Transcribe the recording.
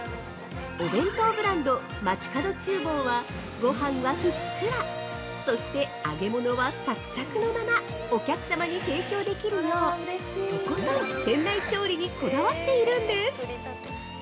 ◆お弁当ブランド「まちかど厨房」は、ごはんはふっくらそして揚げ物はサクサクのままお客様に提供できるよう、とことん店内調理にこだわっているんです！